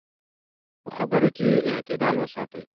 په خبرو کې اعتدال وساتئ.